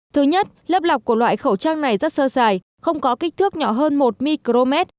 thứ nhất lớp lọc của loại khẩu trang này rất sơ dài không có kích thước nhỏ hơn một micromet